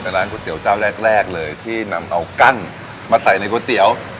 เป็นร้านก๋วยเตี๋ยวเจ้าแรกเลยที่นำเอากั้นมาใส่ในก๋วยเตี๋ยว